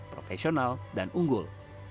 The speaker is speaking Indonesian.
profesional dan unggul